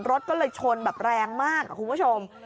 รถก็เลยชนแบบแรงมากคุณผู้ชม